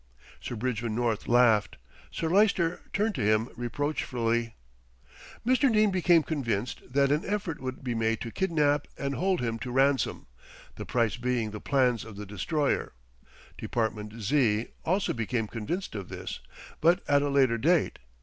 '" Sir Bridgman North laughed, Sir Lyster turned to him reproachfully. "Mr. Dene became convinced that an effort would be made to kidnap and hold him to ransom, the price being the plans of the Destroyer. Department Z. also became convinced of this, but at a later date.